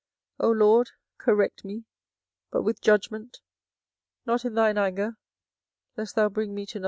24:010:024 O LORD, correct me, but with judgment; not in thine anger, lest thou bring me to nothing.